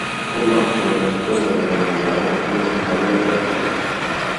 Combatte nella Seconda guerra mondiale come ufficiale degli alpini.